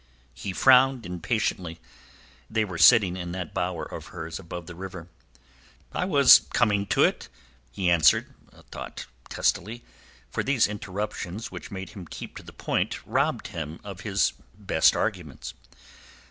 He frowned impatiently—they were sitting in that bower of hers above the river. "I was coming to 't," he answered, a thought testily, for these interruptions which made him keep to the point robbed him of his best arguments.